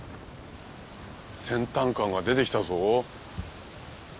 先端感が出てきたぞ。